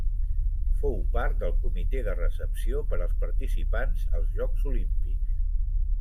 Fou part del comitè de recepció per als participants als Jocs Olímpics.